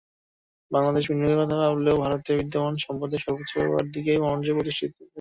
বাংলাদেশে বিনিয়োগের কথা ভাবলেও ভারতে বিদ্যমান সম্পদের সর্বোচ্চ ব্যবহারের দিকেই মনোযোগ প্রতিষ্ঠানটির।